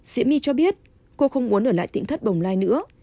diễm my cho biết cô không muốn ở lại tỉnh thất bồng lai nữa